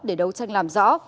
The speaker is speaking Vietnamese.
để đấu tranh làm rõ